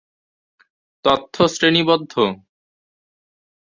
তথ্য শ্রেণিবদ্ধ।